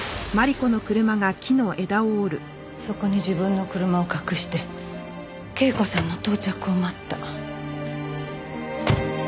そこに自分の車を隠して恵子さんの到着を待った。